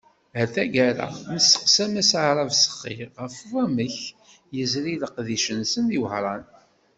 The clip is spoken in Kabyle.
Ar taggara nesteqsa Mass Arab Sekhi ɣef wamek yezri leqdic-nsen di Wehran.